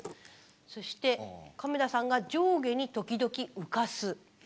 そして亀田さんが「上下に時々浮かす」。